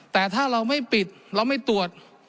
แต่ถ้าเราไม่ปิดเราไม่ตรวจ